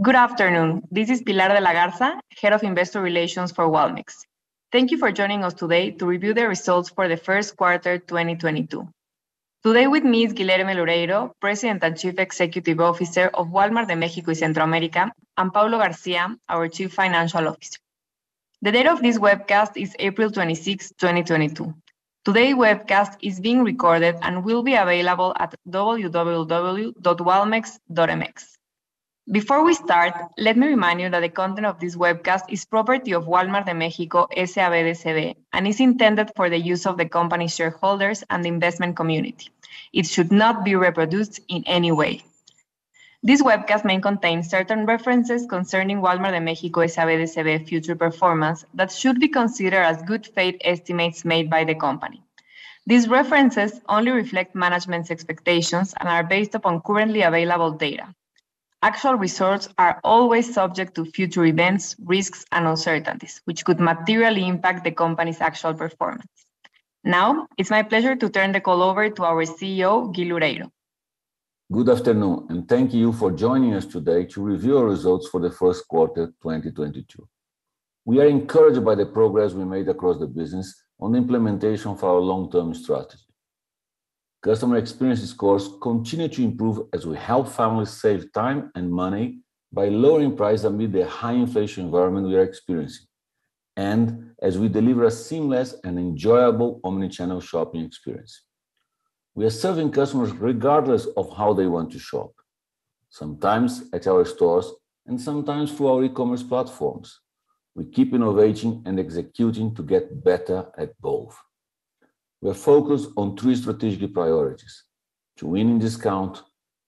Good afternoon. This is Pilar de la Garza, Head of Investor Relations for Walmex. Thank you for joining us today to review the results for the first quarter, 2022. Today with me is Guilherme Loureiro, President and Chief Executive Officer of Walmart de México y Centroamérica, and Paulo Garcia, our Chief Financial Officer. The date of this webcast is April 26th, 2022. Today's webcast is being recorded and will be available at walmex.mx. Before we start, let me remind you that the content of this webcast is property of Wal-Mart de México, S.A.B. de C.V., and is intended for the use of the company's shareholders and the investment community. It should not be reproduced in any way. This webcast may contain certain references concerning Wal-Mart de México, S.A.B. de C.V. future performance that should be considered as good faith estimates made by the company. These references only reflect management's expectations and are based upon currently available data. Actual results are always subject to future events, risks, and uncertainties, which could materially impact the company's actual performance. Now, it's my pleasure to turn the call over to our CEO, Gui Loureiro. Good afternoon, and thank you for joining us today to review our results for the first quarter, 2022. We are encouraged by the progress we made across the business on the implementation for our long-term strategy. Customer experience scores continue to improve as we help families save time and money by lowering price amid the high inflation environment we are experiencing, and as we deliver a seamless and enjoyable omnichannel shopping experience. We are serving customers regardless of how they want to shop, sometimes at our stores and sometimes through our e-commerce platforms. We keep innovating and executing to get better at both. We're focused on three strategic priorities, to win in discount,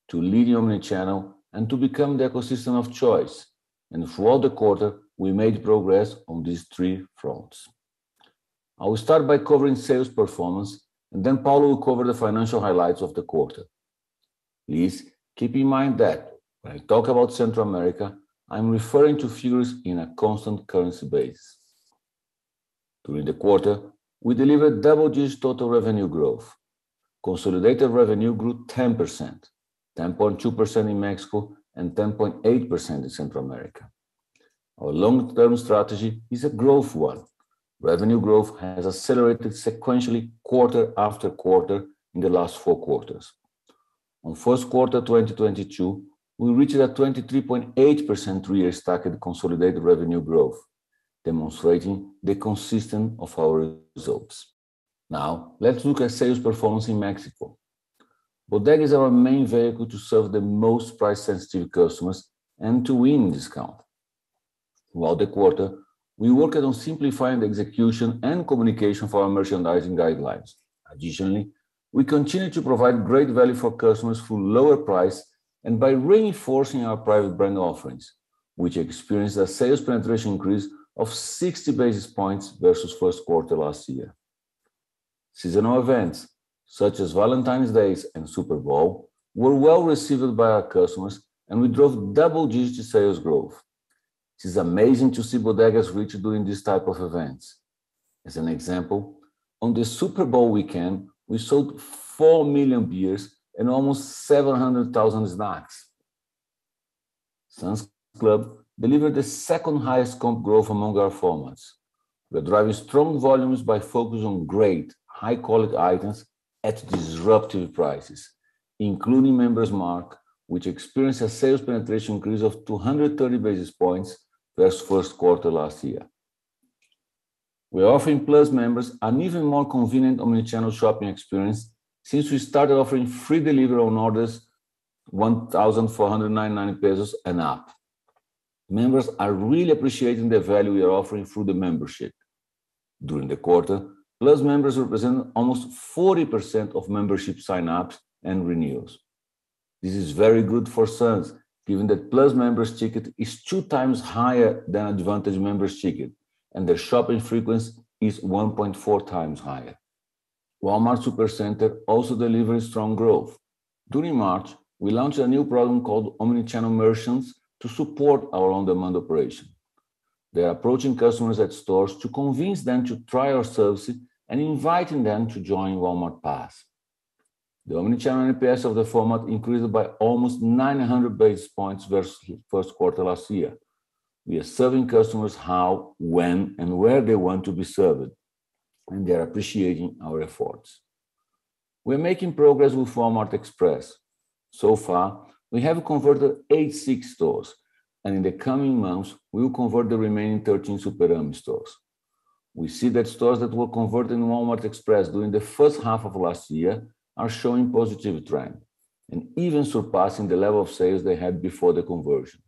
to lead in omni-channel, and to become the ecosystem of choice. Throughout the quarter, we made progress on these three fronts. I will start by covering sales performance, and then Paulo will cover the financial highlights of the quarter. Please keep in mind that when I talk about Central America, I'm referring to figures in a constant-currency basis. During the quarter, we delivered double digits total revenue growth. Consolidated revenue grew 10%, 10.2% in Mexico and 10.8% in Central America. Our long-term strategy is a growth one. Revenue growth has accelerated sequentially quarter after quarter in the last four quarters. On first quarter 2022, we reached a 23.8% three-year stacked consolidated revenue growth, demonstrating the consistency of our results. Now let's look at sales performance in Mexico. Bodega is our main vehicle to serve the most price sensitive customers and to win discount. Throughout the quarter, we worked on simplifying the execution and communication for our merchandising guidelines. Additionally, we continue to provide great value for customers through lower price and by reinforcing our private brand offerings, which experienced a sales penetration increase of 60 basis points versus first quarter last year. Seasonal events such as Valentine's Day and Super Bowl were well received by our customers and we drove double-digit sales growth. It is amazing to see Bodega Aurrera's reach during these type of events. As an example, on the Super Bowl weekend, we sold 4 million beers and almost 700,000 snacks. Sam's Club delivered the second highest comp growth among our formats. We're driving strong volumes by focus on great high quality items at disruptive prices, including Member's Mark, which experienced a sales penetration increase of 230 basis points versus first quarter last year. We're offering Plus members an even more convenient omnichannel shopping experience since we started offering free delivery on orders 1,499 pesos and up. Members are really appreciating the value we are offering through the membership. During the quarter, Plus members represent almost 40% of membership sign-ups and renewals. This is very good for Sam's given that Plus members ticket is 2 times higher than Advantage members ticket, and their shopping frequency is 1.4 times higher. Walmart Supercenter also delivering strong growth. During March, we launched a new program called omnichannel Merchants to support our on-demand operation. They're approaching customers at stores to convince them to try our services and inviting them to join Walmart Pass. The omnichannel NPS of the format increased by almost 900 basis points versus first quarter last year. We are serving customers how, when, and where they want to be served, and they are appreciating our efforts. We're making progress with Walmart Express. So far, we have converted 86 stores, and in the coming months we will convert the remaining 13 Superama stores. We see that stores that were converted in Walmart Express during the first half of last year are showing positive trend and even surpassing the level of sales they had before the conversion,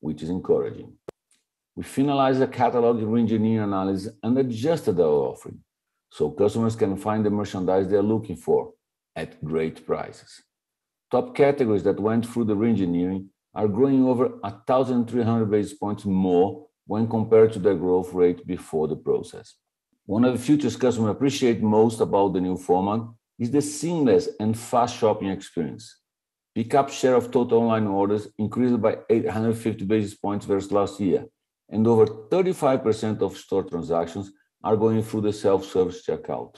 which is encouraging. We finalized a catalog reengineering analysis and adjusted our offering so customers can find the merchandise they're looking for at great prices. Top categories that went through the reengineering are growing over 1,300 basis points more when compared to their growth rate before the process. One of the features customers appreciate most about the new format is the seamless and fast shopping experience. Pickup share of total online orders increased by 850 basis points versus last year, and over 35% of store transactions are going through the self-service checkout.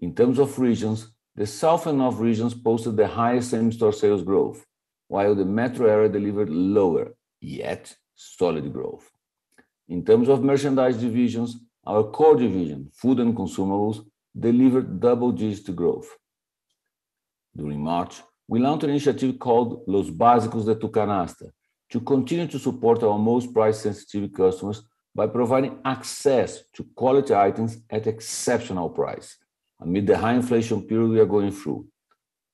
In terms of regions, the south and north regions posted the highest same-store sales growth, while the metro area delivered lower, yet solid growth. In terms of merchandise divisions, our core division, food and consumables, delivered double-digit growth. During March, we launched an initiative called Los Básicos de Tu Canasta to continue to support our most price sensitive customers by providing access to quality items at exceptional price amid the high inflation period we are going through.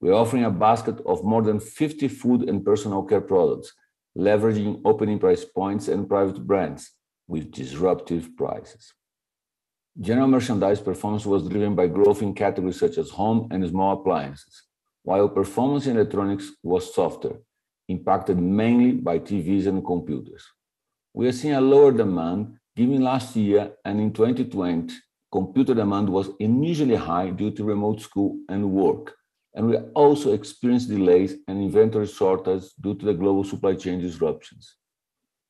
We are offering a basket of more than 50 food and personal care products, leveraging opening price points and private brands with disruptive prices. General merchandise performance was driven by growth in categories such as home and small appliances, while performance in electronics was softer, impacted mainly by TVs and computers. We are seeing a lower demand given last year and in 2020, computer demand was initially high due to remote school and work, and we also experienced delays and inventory shortages due to the global supply chain disruptions.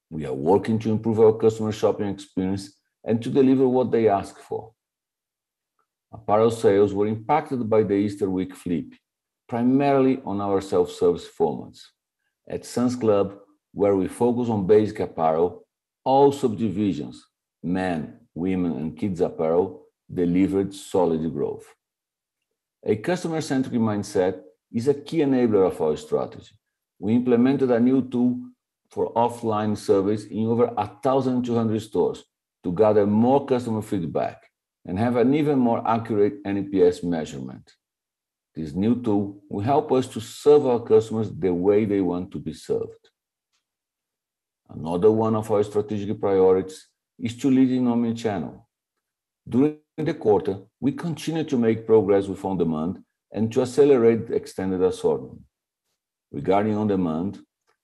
We are working to improve our customer shopping experience and to deliver what they ask for. Apparel sales were impacted by the Easter week flip, primarily on our self-service formats. At Sam's Club, where we focus on basic apparel, all subdivisions, men, women and kids apparel, delivered solid growth. A customer-centric mindset is a key enabler of our strategy. We implemented a new tool for offline surveys in over 1,200 stores to gather more customer feedback and have an even more accurate NPS measurement. This new tool will help us to serve our customers the way they want to be served. Another one of our strategic priorities is to lead in omnichannel. During the quarter, we continued to make progress with on-demand and to accelerate extended assortment. Regarding on-demand,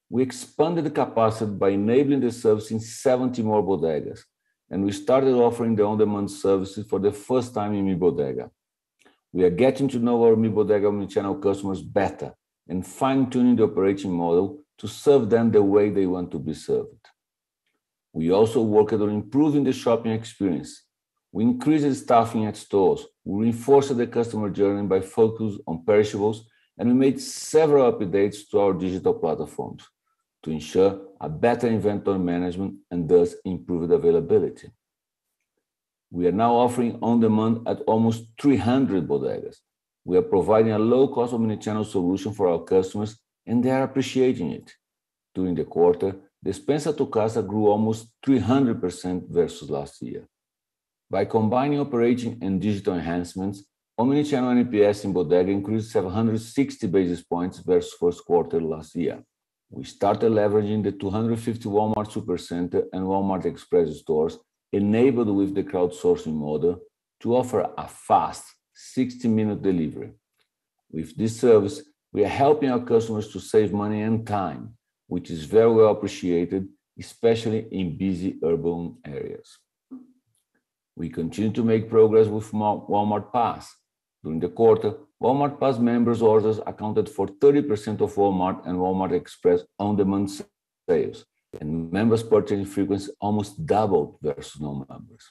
we expanded the capacity by enabling the service in 70 more Bodegas, and we started offering the on-demand services for the first time in Mi Bodega. We are getting to know our Mi Bodega omnichannel customers better and fine-tuning the operating model to serve them the way they want to be served. We also worked on improving the shopping experience. We increased staffing at stores. We reinforced the customer journey by focusing on perishables, and we made several updates to our digital platforms to ensure a better inventory management and thus improved availability. We are now offering on-demand at almost 300 Bodegas. We are providing a low-cost omnichannel solution for our customers, and they are appreciating it. During the quarter, Despensa a Tu Casa grew almost 300% versus last year. By combining operating and digital enhancements, omnichannel NPS in Bodega increased 760 basis points versus first quarter last year. We started leveraging the 250 Walmart Supercenter and Walmart Express stores enabled with the crowdsourcing model to offer a fast 60-minute delivery. With this service, we are helping our customers to save money and time, which is very well appreciated, especially in busy urban areas. We continue to make progress with Walmart Pass. During the quarter, Walmart Pass members' orders accounted for 30% of Walmart and Walmart Express On Demand sales, and members' purchasing frequency almost doubled versus normal numbers.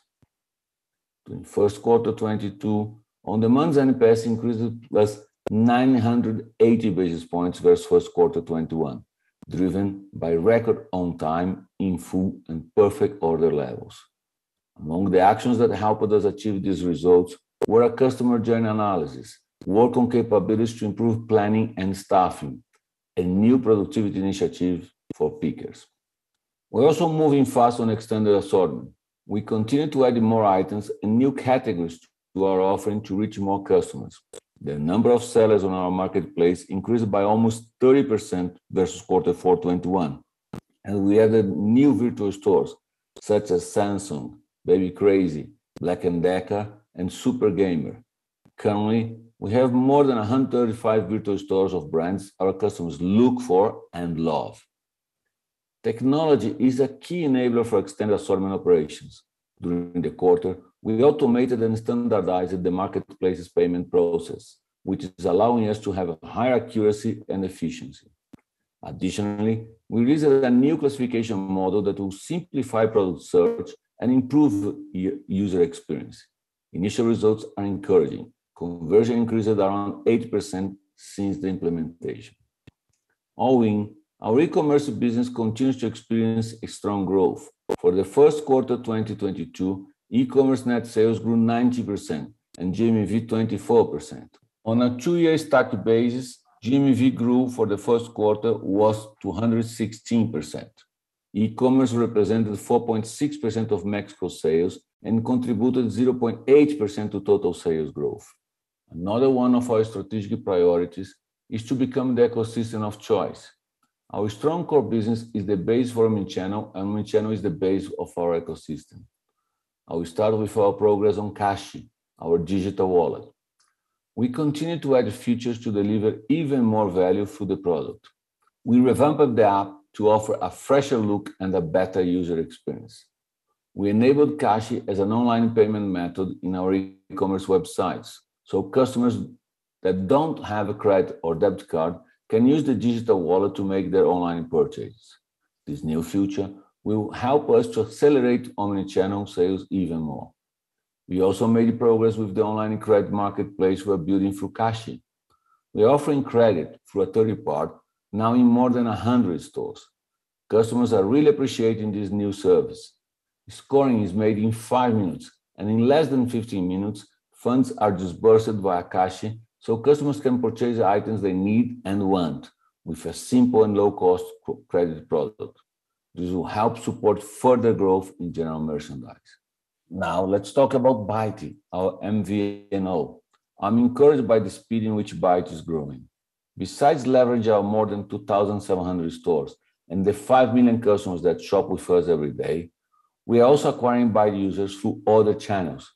During first quarter 2022, On Demand's NPS increased +980 basis points versus first quarter 2021, driven by record on time in full and perfect order levels. Among the actions that helped us achieve these results were a customer journey analysis, work on capabilities to improve planning and staffing, a new productivity initiative for pickers. We're also moving fast on extended assortment. We continue to add more items and new categories to our offering to reach more customers. The number of sellers on our marketplace increased by almost 30% versus quarter four 2021, and we added new virtual stores such as Samsung, Baby Creysi, Black & Decker, and Super Gamer. Currently, we have more than 135 virtual stores of brands our customers look for and love. Technology is a key enabler for extended assortment operations. During the quarter, we automated and standardized the marketplace's payment process, which is allowing us to have a higher accuracy and efficiency. Additionally, we released a new classification model that will simplify product search and improve user experience. Initial results are encouraging. Conversion increased around 8% since the implementation. All in, our e-commerce business continues to experience a strong growth. For the first quarter 2022, e-commerce net sales grew 90% and GMV 24%. On a two-year stacked basis, GMV growth for the first quarter was 216%. E-commerce represented 4.6% of Mexico sales and contributed 0.8% to total sales growth. Another one of our strategic priorities is to become the ecosystem of choice. Our strong core business is the base for omnichannel, and omnichannel is the base of our ecosystem. I will start with our progress on Cashi, our digital wallet. We continue to add features to deliver even more value for the product. We revamped the app to offer a fresher look and a better user experience. We enabled Cashi as an online payment method in our e-commerce websites, so customers that don't have a credit or debit card can use the digital wallet to make their online purchase. This new feature will help us to accelerate omnichannel sales even more. We also made progress with the online credit marketplace we're building through Cashi. We're offering credit through a third party now in more than 100 stores. Customers are really appreciating this new service. Scoring is made in five minutes, and in less than 15 minutes, funds are disbursed by Cashi, so customers can purchase items they need and want with a simple and low-cost credit product. This will help support further growth in general merchandise. Now let's talk about Bait, our MVNO. I'm encouraged by the speed in which Bait is growing. Besides leverage of more than 2,700 stores and the 5 million customers that shop with us every day, we are also acquiring Bait users through other channels,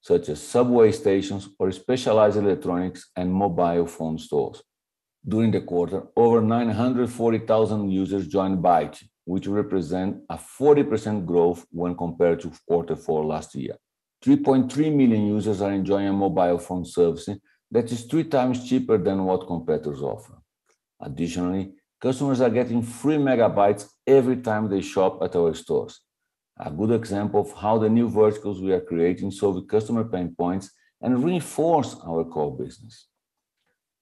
such as subway stations or specialized electronics and mobile phone stores. During the quarter, over 940,000 users joined Bait, which represent a 40% growth when compared to quarter four last year. 3.3 million users are enjoying mobile phone services that is three times cheaper than what competitors offer. Additionally, customers are getting free megabytes every time they shop at our stores, a good example of how the new verticals we are creating solve the customer pain points and reinforce our core business.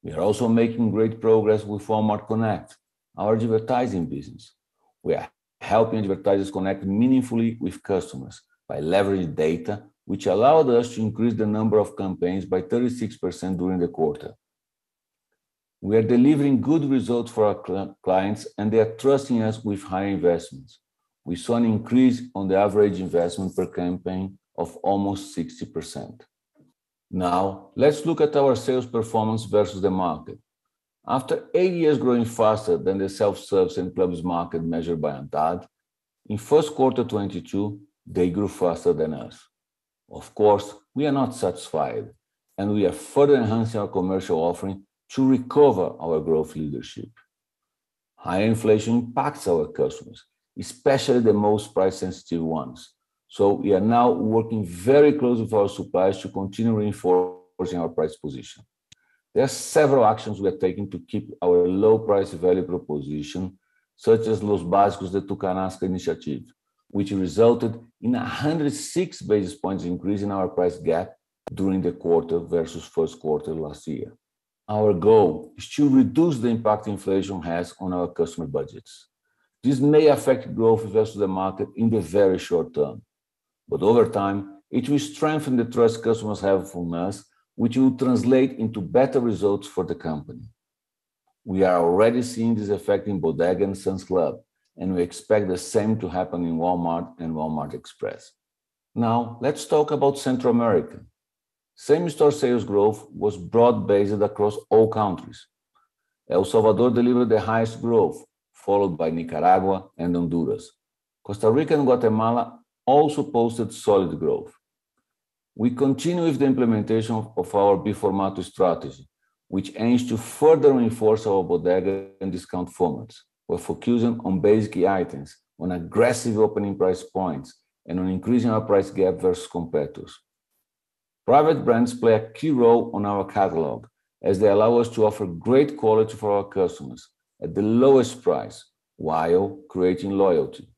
We are also making great progress with Walmart Connect, our advertising business. We are helping advertisers connect meaningfully with customers by leveraging data, which allowed us to increase the number of campaigns by 36% during the quarter. We are delivering good results for our clients, and they are trusting us with higher investments. We saw an increase on the average investment per campaign of almost 60%. Now let's look at our sales performance versus the market. After eight years growing faster than the self-service and clubs market measured by ANTAD, in first quarter 2022, they grew faster than us. Of course, we are not satisfied, and we are further enhancing our commercial offering to recover our growth leadership. Higher inflation impacts our customers, especially the most price-sensitive ones, so we are now working very closely with our suppliers to continue reinforcing our price position. There are several actions we are taking to keep our low price value proposition, such as Los Básicos de Tu Canasta initiative, which resulted in 106 basis points increase in our price gap during the quarter versus first quarter last year. Our goal is to reduce the impact inflation has on our customer budgets. This may affect growth versus the market in the very short term, but over time, it will strengthen the trust customers have from us, which will translate into better results for the company. We are already seeing this effect in Bodega and Sam's Club, and we expect the same to happen in Walmart and Walmart Express. Now let's talk about Central America. Same store sales growth was broad-based across all countries. El Salvador delivered the highest growth, followed by Nicaragua and Honduras. Costa Rica and Guatemala also posted solid growth. We continue with the implementation of our Biformato strategy, which aims to further reinforce our Bodega and discount formats. We're focusing on basic key items, on aggressive opening price points, and on increasing our price gap versus competitors. Private brands play a key role in our catalog as they allow us to offer great quality for our customers at the lowest price while creating loyalty.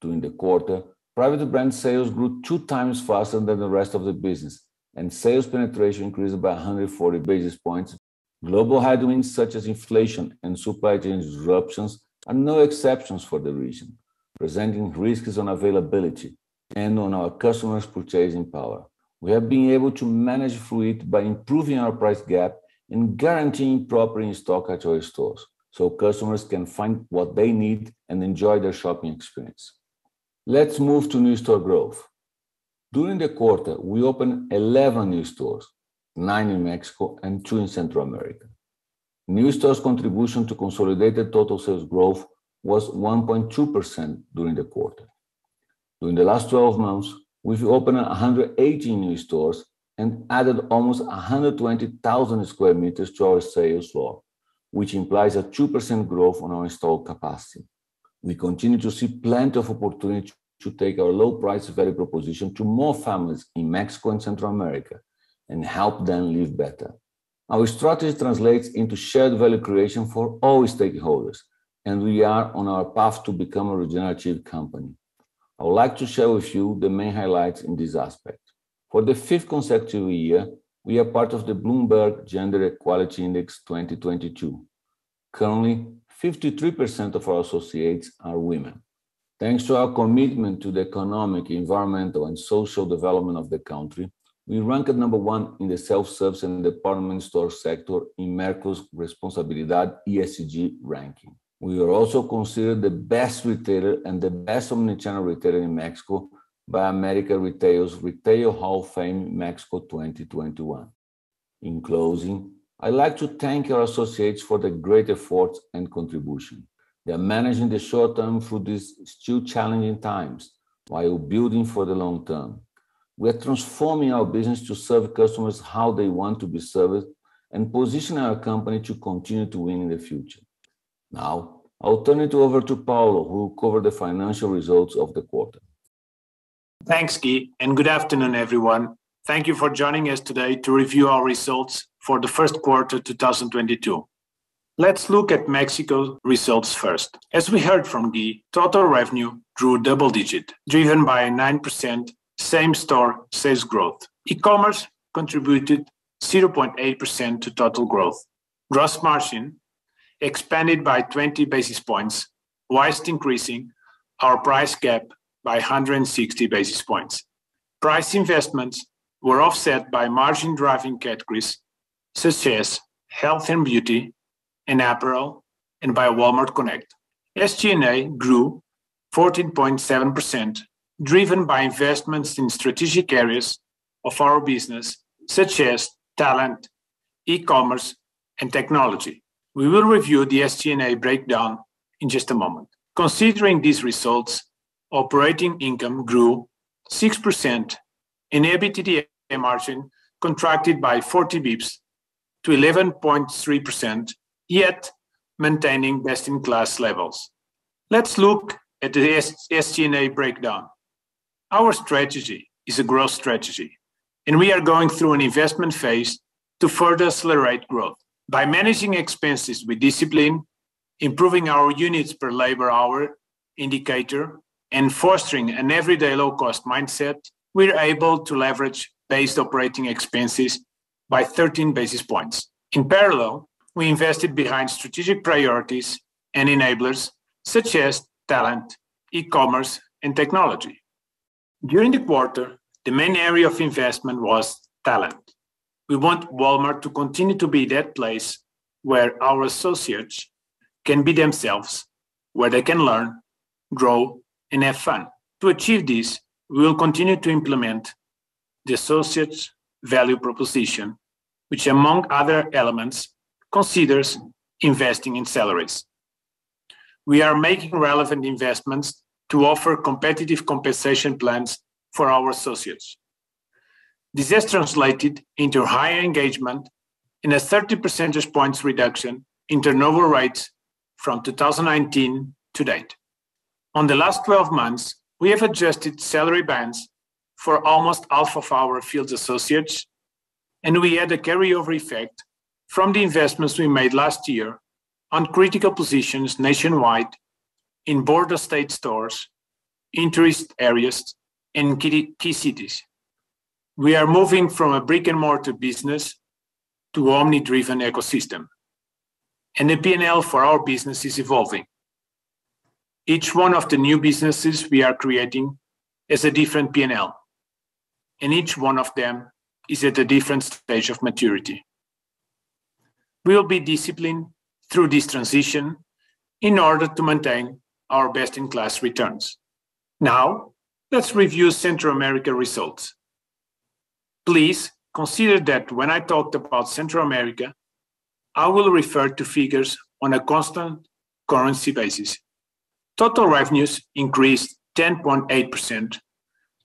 During the quarter, private brand sales grew 2 times faster than the rest of the business, and sales penetration increased by 140 basis points. Global headwinds such as inflation and supply chain disruptions are no exceptions for the region, presenting risks on availability and on our customers' purchasing power. We have been able to manage through it by improving our price gap and guaranteeing proper in-stock at our stores so customers can find what they need and enjoy their shopping experience. Let's move to new store growth. During the quarter, we opened 11 new stores, nine in Mexico and two in Central America. New stores contribution to consolidated total sales growth was 1.2% during the quarter. During the last 12 months, we've opened 180 new stores and added almost 120,000 sq m to our sales floor, which implies a 2% growth on our installed capacity. We continue to see plenty of opportunity to take our low price value proposition to more families in Mexico and Central America and help them live better. Our strategy translates into shared value creation for all stakeholders, and we are on our path to become a regenerative company. I would like to share with you the main highlights in this aspect. For the fifth consecutive year, we are part of the Bloomberg Gender-Equality Index 2022. Currently, 53% of our associates are women. Thanks to our commitment to the economic, environmental, and social development of the country, we rank at number one in the self-service and department store sector in Merco Responsabilidad ESG ranking. We are also considered the best retailer and the best omnichannel retailer in Mexico by América Retail's Retail Hall of Fame México 2021. In closing, I'd like to thank our associates for their great effort and contribution. They are managing the short term through these still challenging times while building for the long term. We are transforming our business to serve customers how they want to be served and positioning our company to continue to win in the future. Now I'll turn it over to Paulo, who will cover the financial results of the quarter. Thanks, Gui, and good afternoon, everyone. Thank you for joining us today to review our results for the first quarter, 2022. Let's look at Mexico's results first. As we heard from Gui, total revenue grew double-digit, driven by a 9% same-store sales growth. E-commerce contributed 0.8% to total growth. Gross margin expanded by 20 basis points while increasing our price gap by 160 basis points. Price investments were offset by margin-driving categories such as health and beauty and apparel, and by Walmart Connect. SG&A grew 14.7%, driven by investments in strategic areas of our business, such as talent, e-commerce, and technology. We will review the SG&A breakdown in just a moment. Considering these results, operating income grew 6%, and EBITDA margin contracted by 40 basis points to 11.3%, yet maintaining best-in-class levels. Let's look at the SG&A breakdown. Our strategy is a growth strategy, and we are going through an investment phase to further accelerate growth. By managing expenses with discipline, improving our units per labor hour indicator, and fostering an everyday low cost mindset, we're able to leverage base operating expenses by 13 basis points. In parallel, we invested behind strategic priorities and enablers such as talent, e-commerce, and technology. During the quarter, the main area of investment was talent. We want Walmart to continue to be that place where our associates can be themselves, where they can learn, grow, and have fun. To achieve this, we will continue to implement the associates' value proposition, which, among other elements, considers investing in salaries. We are making relevant investments to offer competitive compensation plans for our associates. This has translated into higher engagement and a 30 percentage points reduction in turnover rates from 2019 to date. On the last 12 months, we have adjusted salary bands for almost half of our field associates, and we had a carryover effect from the investments we made last year on critical positions nationwide in border state stores, in tourist areas, and key cities. We are moving from a brick-and-mortar business to omni-driven ecosystem, and the P&L for our business is evolving. Each one of the new businesses we are creating is a different P&L, and each one of them is at a different stage of maturity. We will be disciplined through this transition in order to maintain our best-in-class returns. Now let's review Central America results. Please consider that when I talk about Central America, I will refer to figures on a constant currency basis. Total revenues increased 10.8%,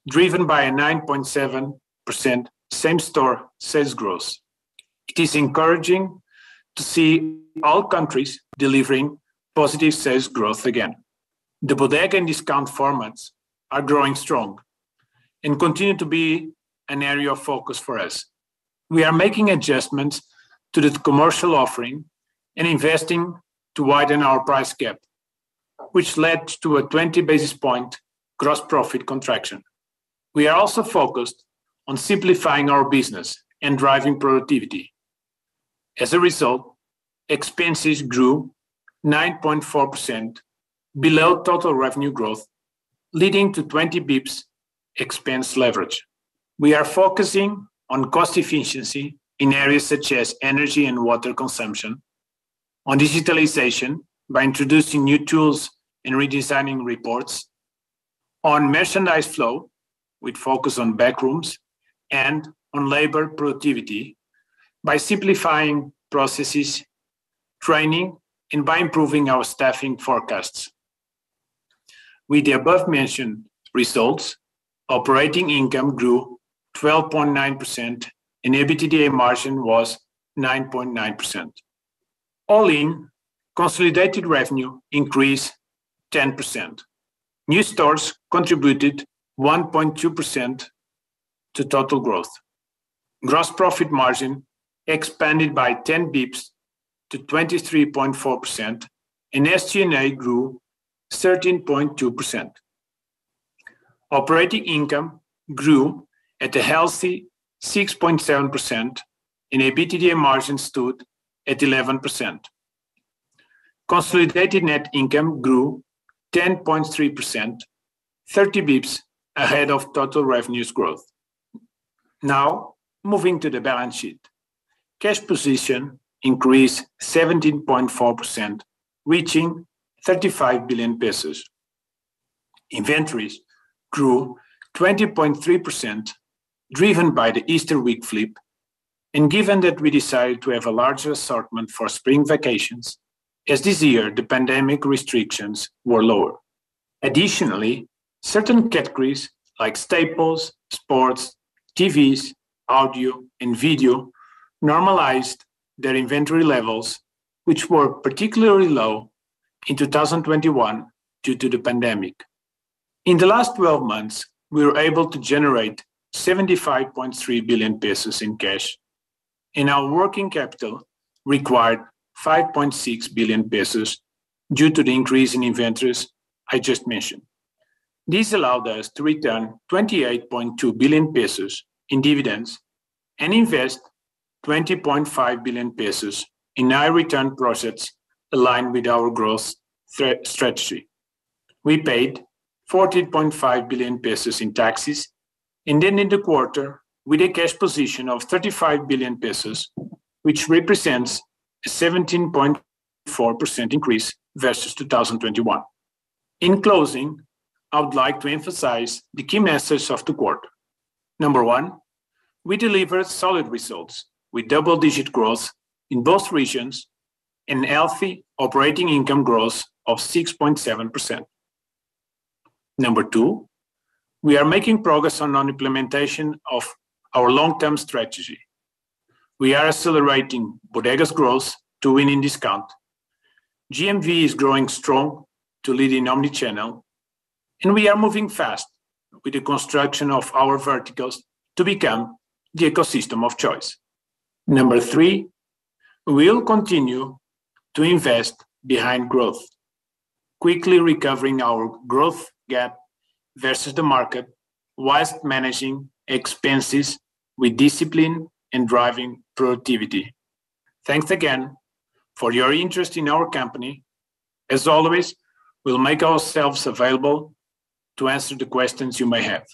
driven by a 9.7% same-store sales growth. It is encouraging to see all countries delivering positive sales growth again. The Bodega and discount formats are growing strong and continue to be an area of focus for us. We are making adjustments to the commercial offering and investing to widen our price gap, which led to a 20 basis point gross profit contraction. We are also focused on simplifying our business and driving productivity. As a result, expenses grew 9.4% below total revenue growth, leading to 20 basis points expense leverage. We are focusing on cost efficiency in areas such as energy and water consumption, on digitalization by introducing new tools and redesigning reports, on merchandise flow with focus on back rooms, and on labor productivity by simplifying processes, training, and by improving our staffing forecasts. With the above mentioned results, operating income grew 12.9%, and EBITDA margin was 9.9%. All in, consolidated revenue increased 10%. New stores contributed 1.2% to total growth. Gross profit margin expanded by 10 basis points to 23.4%, and SG&A grew 13.2%. Operating income grew at a healthy 6.7%, and EBITDA margin stood at 11%. Consolidated net income grew 10.3%, 30 basis points ahead of total revenues growth. Now moving to the balance sheet. Cash position increased 17.4%, reaching MXN 35 billion. Inventories grew 20.3%, driven by the Easter week flip, and given that we decided to have a larger assortment for spring vacations, as this year the pandemic restrictions were lower. Additionally, certain categories like staples, sports, TVs, audio, and video normalized their inventory levels, which were particularly low in 2021 due to the pandemic. In the last 12 months, we were able to generate 75.3 billion pesos in cash, and our working capital required 5.6 billion pesos due to the increase in inventories I just mentioned. This allowed us to return 28.2 billion pesos in dividends and invest 20.5 billion pesos in high return projects aligned with our growth strategy. We paid 14.5 billion pesos in taxes. Then in the quarter, with a cash position of 35 billion pesos, which represents a 17.4% increase versus 2021. In closing, I would like to emphasize the key messages of the quarter. Number one, we delivered solid results with double-digit growth in both regions and healthy operating income growth of 6.7%. Number two, we are making progress on our implementation of our long-term strategy. We are accelerating Bodegas growth to win in discount. GMV is growing strong to lead in omnichannel, and we are moving fast with the construction of our verticals to become the ecosystem of choice. Number three, we will continue to invest behind growth, quickly recovering our growth gap versus the market while managing expenses with discipline and driving productivity. Thanks again for your interest in our company. As always, we'll make ourselves available to answer the questions you may have.